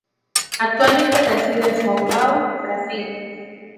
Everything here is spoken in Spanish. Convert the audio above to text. Actualmente reside en São Paulo, Brasil.